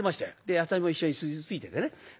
私も一緒についててね。